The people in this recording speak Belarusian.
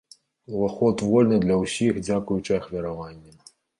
Уваход вольны для ўсіх дзякуючы ахвяраванням.